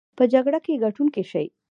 په جګړه کې ګټونکي شي.